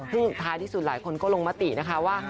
ซึ่งท้ายที่สุดหลายคนก็ลงมตินะคะว่า